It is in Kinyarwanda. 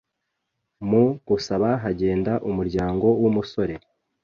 Mu gusaba hagenda umuryango w’umusore